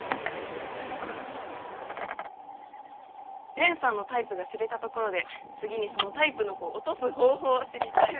蓮さんのタイプが知れたところで次にそのタイプの子を落とす方法を知りたいです。